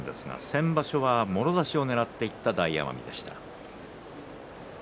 先場所は、もろ差しをねらっていった大奄美でした。